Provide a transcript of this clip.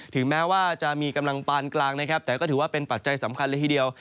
ถึงแม้ว่าจะมีกำลังปานกลางนะครับแต่ก็ถือว่าเป็นปัจจัยสำคัญเลยทีเดียว